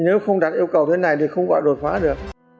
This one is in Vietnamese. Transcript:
nếu không đặt yêu cầu thế này thì không gọi đột phá được